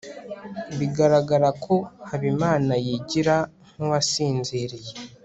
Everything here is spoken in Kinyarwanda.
biragaragara ko habimana yigira nkuwasinziriye